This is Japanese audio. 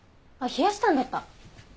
冷やしたんだった。